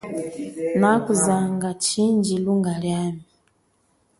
Nakuzanga chindji lunga liami.